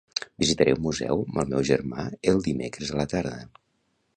Visitaré un museu amb el meu germà el dimecres a la tarda.